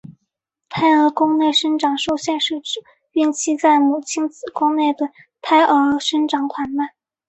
胎儿宫内生长受限是指孕期在母亲子宫内的胎儿生长缓慢。